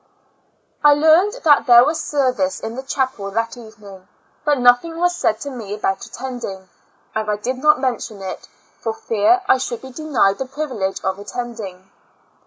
I learned that there was service in the chapel that evening, but nothing was said to me about attending; and I did not mention it, for fear I should be denied the privilege of attending.